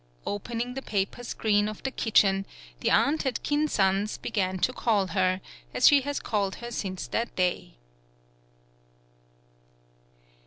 Opening the paper screen of the kitchen, the aunt at Kin san's began to call her, as she has called her since that day.